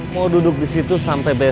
mau duduk disitu sampai berapa